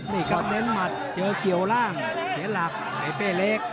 นี่ครับเน้นหมัดเจอเกี่ยวล่างเสียหลักไอ้เป้เล็ก